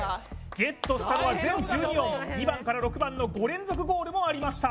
ＧＥＴしたのは全１２音２番から６番の５連続ゴールもありました